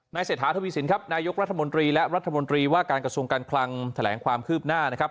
เศรษฐาทวีสินครับนายกรัฐมนตรีและรัฐมนตรีว่าการกระทรวงการคลังแถลงความคืบหน้านะครับ